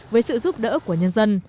với sự giúp đỡ của nhân dân